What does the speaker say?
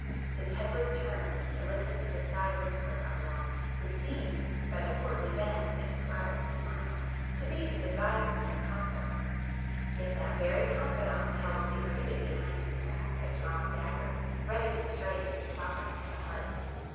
His head was turned to listen to the side whisper of one who seemed, by the courtly bend and flattering smile, to be his adviser and confidant,—yet that very confidant held secreted behind his back, a drawn dagger, ready to strike his sovereign to the heart.